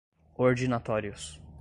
ordinatórios